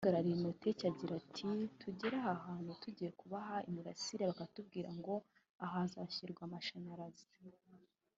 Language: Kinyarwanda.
uhagarariye Innotech agira ati “Tugera ahantu tugiye kubaha imirasire bakatubwira ngo aha hazashyirwa amashanyarazi